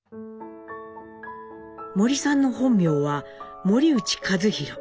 森さんの本名は森内一寛。